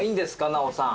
奈緒さん。